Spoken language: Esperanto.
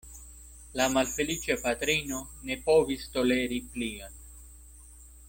La malfeliĉa patrino ne povis toleri plion.